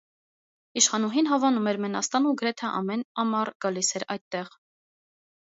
Իշխանուհին հավանում էր մենաստանը և գրեթե ամեն ամառ գալիս էր այդտեղ։